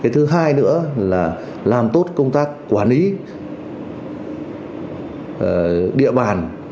thứ hai nữa là làm tốt công tác quản lý địa bàn